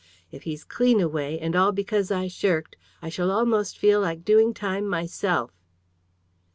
If he's clean away, and all because I shirked, I shall almost feel like doing time myself."